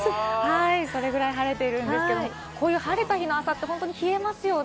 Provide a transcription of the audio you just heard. それくらい晴れているんですが、こういう晴れた日の朝って冷えますよね。